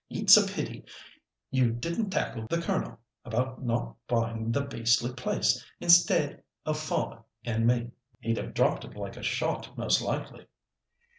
"It's a pity you didn't tackle the Colonel about not buying the beastly place, instead of father and me. He'd have dropped it like a shot most likely."